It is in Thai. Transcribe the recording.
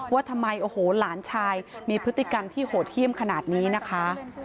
ว่าทำไมโอ้โหหลานชายมีพฤติกรรมที่โหดเยี่ยมขนาดนี้นะคะ